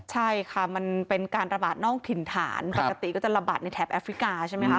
ใช่ค่ะมันเป็นการระบาดนอกถิ่นฐานปกติก็จะระบาดในแถบแอฟริกาใช่ไหมคะ